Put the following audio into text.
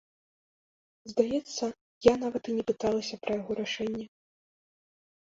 Здаецца, я нават і не пыталася пра яго рашэнне.